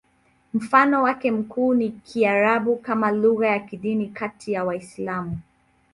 Mfano wake mkuu ni Kiarabu kama lugha ya kidini kati ya Waislamu.